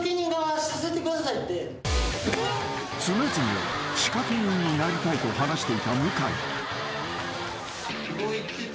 ［常々仕掛け人になりたいと話していた向井］